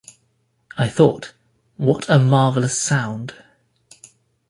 I thought, 'What a marvellous sound.